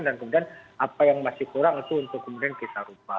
dan kemudian apa yang masih kurang itu untuk kemudian kita rupa